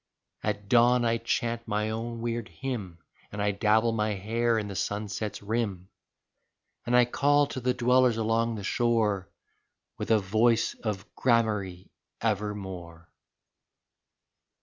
At dawn I chant my own weird hymn, And I dabble my hair in the sunset's rim. And I call to the dwellers along the shore With a voice of gramarye evermore.